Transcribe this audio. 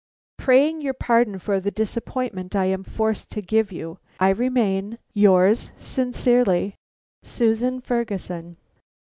"Praying your pardon for the disappointment I am forced to give you, I remain, "Yours sincerely, "SUSAN FERGUSON."